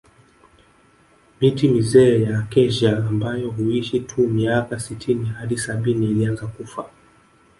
Miti mizee ya Acacia ambayo huishi tu miaka sitini hadi sabini ilianza kufa